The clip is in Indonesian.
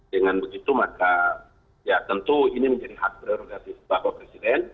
dengan begitu maka ya tentu ini menjadi hak prerogatif bapak presiden